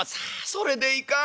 「それでいかん。